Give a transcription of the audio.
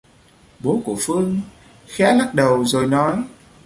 Bố của Phương khé lắc đầu rồi nói